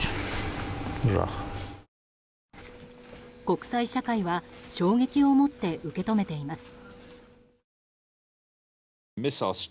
国際社会は衝撃をもって受け止めています。